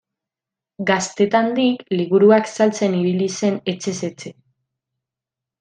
Gaztetandik liburuak saltzen ibili zen etxez etxe.